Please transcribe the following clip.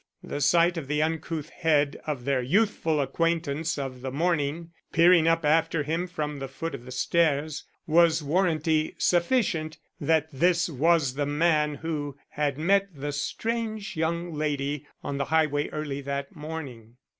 The sight of the uncouth head of their youthful acquaintance of the morning peering up after him from the foot of the stairs was warranty sufficient that this was the man who had met the strange young lady on the highway early that morning.